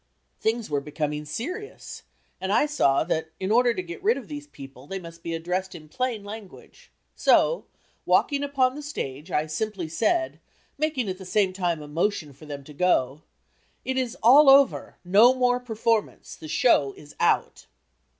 Things were becoming serious, and I saw that in order to get rid of these people they must be addressed in plain language; so, walking upon the stage, I simply said, making at the same time a motion for them to go, "It is all over; no more performance; the show is out."